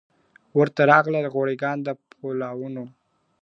ورته راغلل غوري ګان د پولاوونو !.